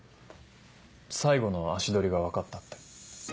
最後の足取りが分かったって。